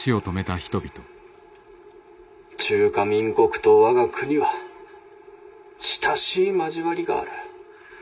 中華民国と我が国は親しい交わりがある。